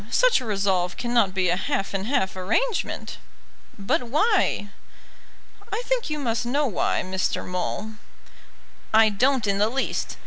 Such a resolve cannot be a half and half arrangement." "But why?" "I think you must know why, Mr. Maule." "I don't in the least.